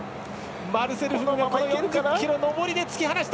マルセル・フグが４０ｋｍ上りで突き放した。